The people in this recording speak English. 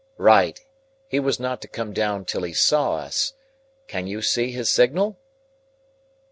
"Right! He was not to come down till he saw us. Can you see his signal?"